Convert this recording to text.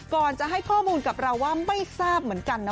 ก่อนจะให้ข้อมูลกับเราว่าไม่ทราบเหมือนกันนะ